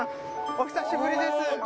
お久しぶりです。